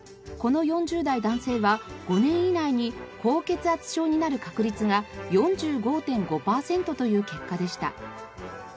この４０代男性は５年以内に高血圧症になる確率が４５．５パーセントという結果でした。